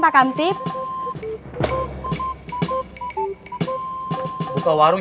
ya udah aku mau pulang